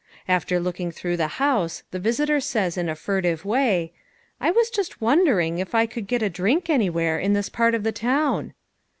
After looking through the house the visitor says in a furtive way, "I was just wondering if I could get a drink anywhere in this part of the town?"